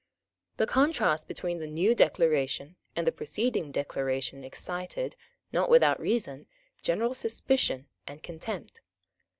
The contrast between the new Declaration and the preceding Declaration excited, not without reason, general suspicion and contempt.